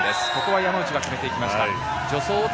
山内が決めていきました。